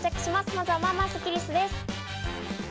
まずは、まあまあスッキりすです。